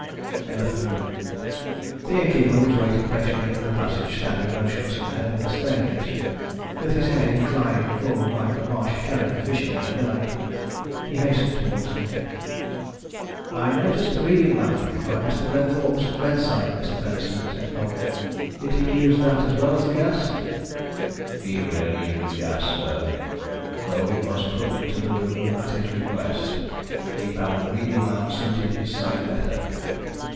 They left the room. The innkeeper was waiting patiently in the passage, standing motionless at the head of the staircase, with his head inclining forward, like a marsh heron fishing in a dyke. He hastened towards them. "I noticed a reading lamp by Mr. Glenthorpe's bedside, Mr. Benson," said Colwyn. "Did he use that as well as the gas?" "He rarely used the gas, sir, though it was put into the room at his request. He found the reading lamp suited his sight better."